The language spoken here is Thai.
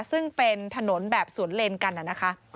ซึ่งเป็นถนนแบบสวนเลนกันนะคะ